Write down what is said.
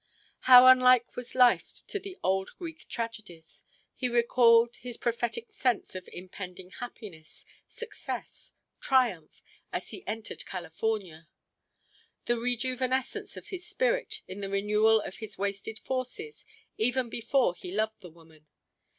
How unlike was life to the old Greek tragedies! He recalled his prophetic sense of impending happiness, success, triumph, as he entered California, the rejuvenescence of his spirit in the renewal of his wasted forces even before he loved the woman.